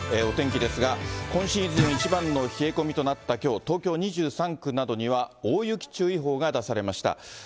お天気ですが、今シーズン一番の冷え込みとなったきょう、東京２３区などには、大雪注意報が出されました。